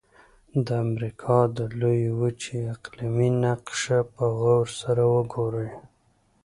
د امریکا د لویې وچې اقلیمي نقشه په غور سره وګورئ.